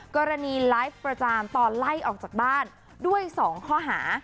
กรณีไลฟ์ประจานตอนไล่ออกจากบ้านด้วย๒ข้อหา